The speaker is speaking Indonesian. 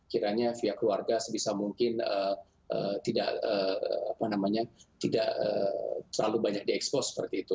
kiranya via keluarga sebisa mungkin tidak terlalu banyak diekspos seperti itu